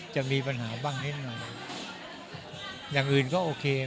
จะมีปัญหาบ้างนิดหน่อยอย่างอื่นก็โอเค